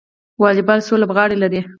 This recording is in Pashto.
والیبال څو لوبغاړي لري؟